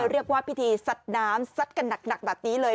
เรียกว่าพิธีซัดน้ำซัดกันหนักแบบนี้เลย